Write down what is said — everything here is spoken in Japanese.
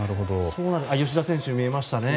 吉田選手、見えましたね。